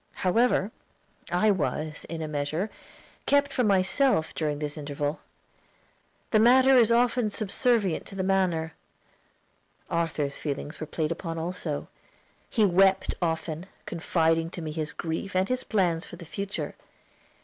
However, I was, in a measure, kept from myself during this interval. The matter is often subservient to the manner. Arthur's feelings were played upon also. He wept often, confiding to me his grief and his plans for the future.